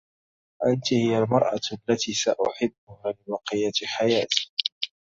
أنتِ هي المرأة الّتي سأحبّها لبقيّة حياتي.